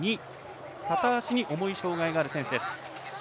片足に重い障がいのある選手です。